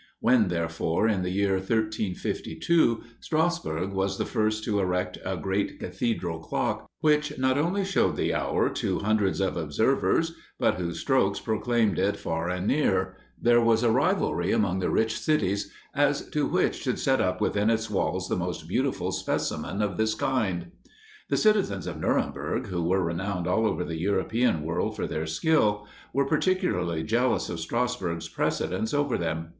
When, therefore, in the year 1352, Strassburg was the first to erect a great cathedral clock, which not only showed the hour to hundreds of observers, but whose strokes proclaimed it far and near, there was a rivalry among the rich cities as to which should set up within its walls the most beautiful specimen of this kind. The citizens of Nuremberg, who were renowned all over the European world for their skill, were particularly jealous of Strassburg's precedence over them.